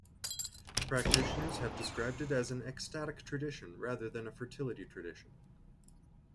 Practitioners have described it as an ecstatic tradition rather than a fertility tradition.